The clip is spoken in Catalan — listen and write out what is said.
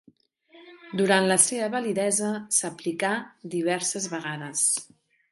Durant la seva validesa s'aplicà diverses vegades.